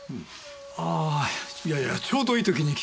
ああいやいやちょうどいい時に来て頂いた。